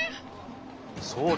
そうだ。